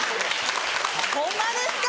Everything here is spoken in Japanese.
ホンマですか？